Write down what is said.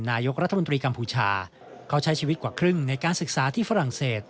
นายกรัฐมนตรีกัมพูชาเขาใช้ชีวิตกว่าครึ่งในการศึกษาที่ฝรั่งเศส